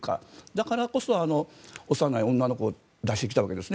だからこそ、幼い女の子を出してきたわけです。